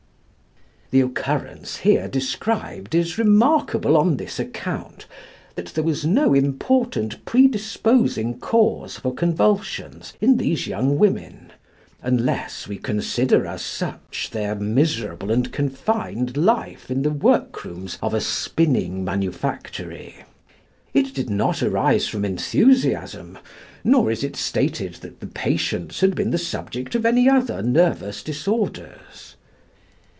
The occurrence here described is remarkable on this account, that there was no important predisposing cause for convulsions in these young women, unless we consider as such their miserable and confined life in the work rooms of a spinning manufactory. It did not arise from enthusiasm, nor is it stated that the patients had been the subject of any other nervous disorders.